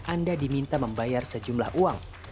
anda diminta membayar sejumlah uang